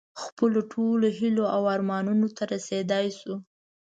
خپلو ټولو هیلو او ارمانونو ته رسېدی شو.